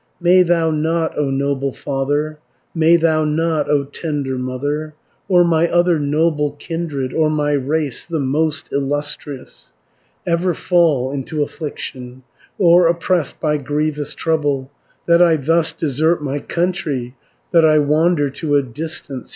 "May thou not, O noble father, May thou not, O tender mother, Or my other noble kindred, Or my race, the most illustrious, 350 Ever fall into affliction, Or oppressed by grievous trouble, That I thus desert my country, That I wander to a distance.